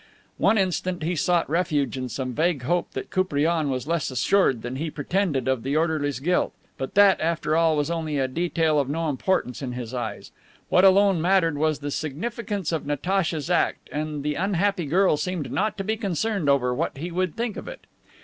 One instant he sought refuge in some vague hope that Koupriane was less assured than he pretended of the orderly's guilt. But that, after all, was only a detail of no importance in his eyes. What alone mattered was the significance of Natacha's act, and the unhappy girl seemed not to be concerned over what he would think of it.